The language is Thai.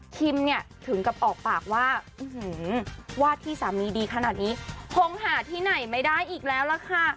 คิมเนี่ยถึงกับออกปากว่าวาดที่สามีดีขนาดนี้คงหาที่ไหนไม่ได้อีกแล้วล่ะค่ะ